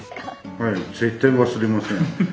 はい絶対忘れません。